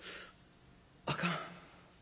あかん。